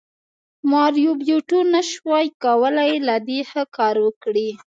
ماریو بیوټو نشوای کولی له دې ښه کار وکړي